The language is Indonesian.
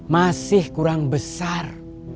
masih kurang besar